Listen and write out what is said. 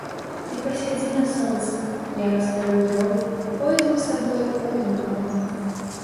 Ты пасядзі на сонцы, я раскалю дроў, пойдзем з табой у гумно.